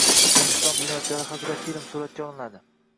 Registon bunyodkori haqida film suratga olinadi